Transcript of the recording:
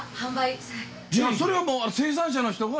それはもう生産者の人が？